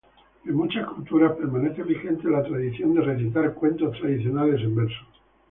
En muchas culturas, permanece vigente la tradición de recitar cuentos tradicionales en verso.